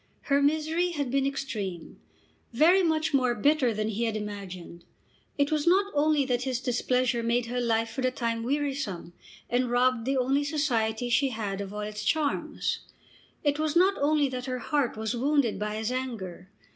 Her misery had been extreme; very much more bitter than he had imagined. It was not only that his displeasure made her life for the time wearisome, and robbed the only society she had of all its charms. It was not only that her heart was wounded by his anger.